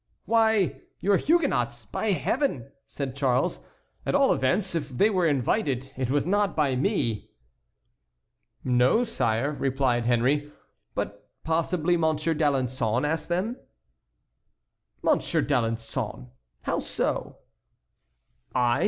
"Why, your Huguenots, by Heaven!" said Charles; "at all events if they were invited it was not by me." "No, sire," replied Henry, "but possibly Monsieur d'Alençon asked them." "Monsieur d'Alençon? How so?" "I?"